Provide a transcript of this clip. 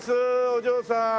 お嬢さん！